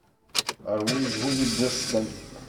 Ṛwu zzhu deg Boston.